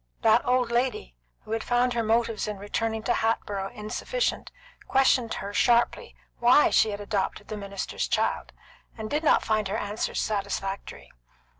That old lady who had found her motives in returning to Hatboro' insufficient questioned her sharply why she had adopted the minister's child, and did not find her answers satisfactory.